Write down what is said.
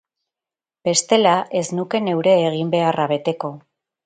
Bestela, ez nuke neure eginbeharra beteko...